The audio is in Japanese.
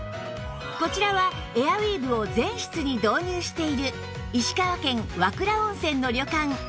こちらはエアウィーヴを全室に導入している石川県和倉温泉の旅館加賀屋